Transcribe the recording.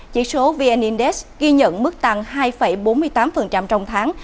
chỉ số vn index ghi nhận mức tăng hai bốn mươi tám trong tháng